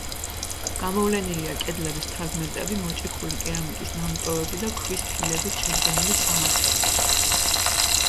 გამოვლენილია კედლების ფრაგმენტები, მოჭიქული კერამიკის ნამტვრევები და ქვის ფილებით შედგენილი სამარხები.